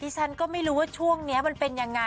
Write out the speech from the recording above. ฉันก็ไม่รู้ว่าช่วงนี้มันเป็นยังไง